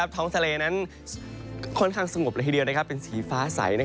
ท้องทะเลนั้นค่อนข้างสงบเลยทีเดียวเป็นสีฟ้าใส